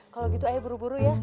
kalau gitu ayah buru buru ya